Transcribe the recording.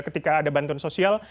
ketika ada bantuan sosial